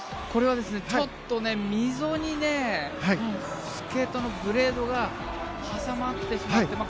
これは溝にスケートのブレードが挟まってしまって。